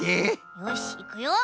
よしいくよ。